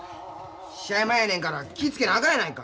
試合前やねんから気ぃ付けなあかんやないか！